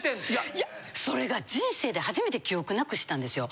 いやそれが人生で初めて記憶無くしたんですよ。